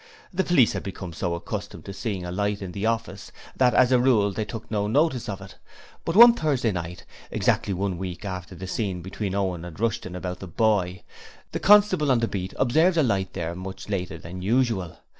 The police had become so accustomed to seeing the light in the office that as a rule they took no notice of it, but one Thursday night exactly one week after the scene between Owen and Rushton about the boy the constable on the beat observed the light there much later than usual.